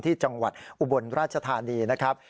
จังหวัดอุบลราชธานีนะครับ